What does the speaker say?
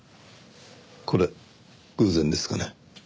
これ偶然ですかね？